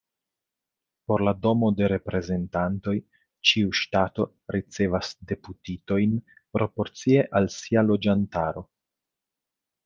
Por la Domo de Reprezentantoj, ĉiu ŝtato ricevas deputitojn proporcie al sia loĝantaro.